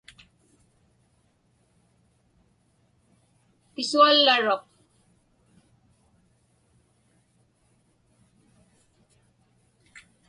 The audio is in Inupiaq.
Pisuallaruq.